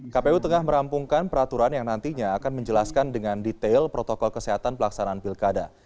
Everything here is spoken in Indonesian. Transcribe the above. kpu tengah merampungkan peraturan yang nantinya akan menjelaskan dengan detail protokol kesehatan pelaksanaan pilkada